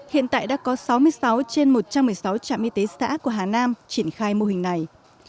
hiện tại đã có sáu mươi sáu trên một trăm một mươi sáu trạm y tế xã của hà nam triển khai mô hình này